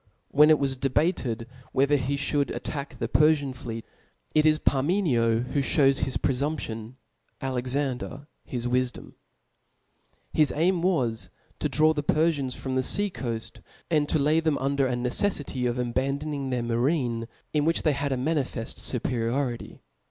When it was debated, whether he Ihould attack the Perfian fleet (*), it is Parmenio that (hews hia pre C) Ibid. fumption, Alexander his wifdom« His aim was to draw the Perfians from the fea«coaft, and to lay them under a neceiBty of abandoning their marine, in which th^ had a manifeft fuperiority.